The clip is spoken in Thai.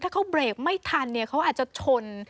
ถ้าเขาเบรกไม่ทันเนี่ยเขาอาจจะชน